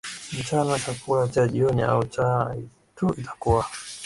mchana chakula cha jioni au chai tu itakuwa